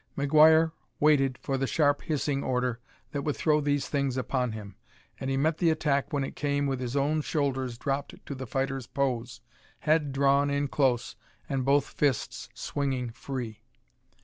McGuire waited for the sharp hissing order that would throw these things upon him, and he met the attack when it came with his own shoulders dropped to the fighter's pose, head drawn in close and both fists swinging free.